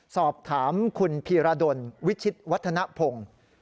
สอบถามคุณพีรดลวิชิตวัฒนภง